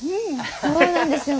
そうなんですよ。